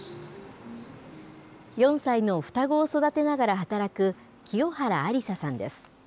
４歳の双子を育てながら働く清原亜璃紗さんです。